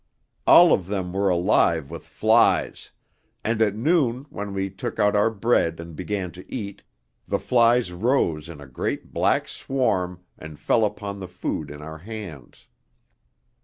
All of them were alive with flies, and at noon when we took out our bread and began to eat, the flies rose in a great black swarm and fell upon the food in our hands.